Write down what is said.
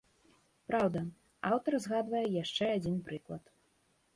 Праўда, аўтар згадвае яшчэ адзін прыклад.